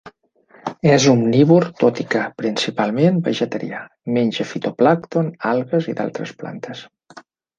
És omnívor, tot i que, principalment, vegetarià: menja fitoplàncton, algues i d'altres plantes.